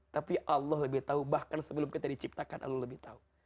tapi allah lebih tahu bahkan sebelum kita diciptakan allah lebih tahu